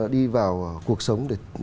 đi vào cuộc sống để